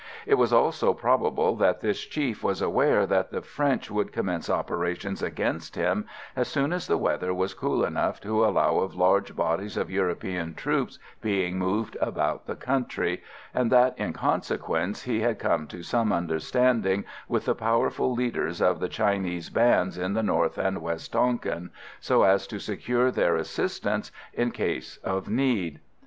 It was also probable that this chief was aware that the French would commence operations against him, as soon as the weather was cool enough to allow of large bodies of European troops being moved about the country, and that in consequence he had come to some understanding with the powerful leaders of the Chinese bands in North and West Tonquin, so as to secure their assistance in case of need.